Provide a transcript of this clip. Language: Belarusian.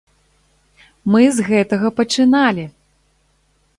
Мы з гэтага пачыналі!